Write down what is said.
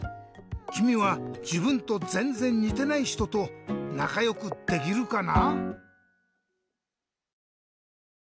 きみはじぶんとぜんぜんにてないひととなかよくできるかな？